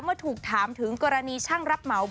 เมื่อถูกถามถึงกรณีช่างรับเหมา